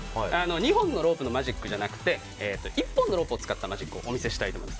２本のロープのマジックじゃなくて１本のロープを使ったマジックをお見せしたいと思います。